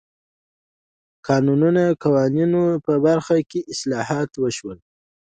د کانونو قوانینو په برخه کې اصلاحات وشول.